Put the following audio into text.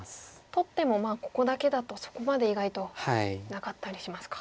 取ってもまあここだけだとそこまで意外となかったりしますか。